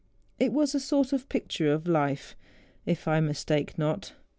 It was a sort of picture of life, if I mistake not.